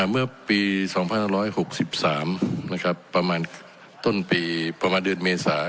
เมื่อปี๒๕๖๓ประมาณต้นปีประมาณเดือนเมษา